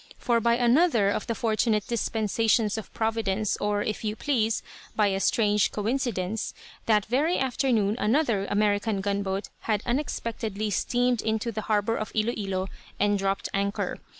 For by another of the fortunate dispensations of providence, or if you please, by a strange coincidence, that very afternoon another American gunboat had unexpectedly steamed into the harbour of Ilo Ilo and dropped anchor.